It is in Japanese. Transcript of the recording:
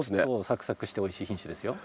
サクサクしておいしい品種ですよ。